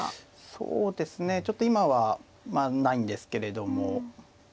そうですねちょっと今はないんですけれども。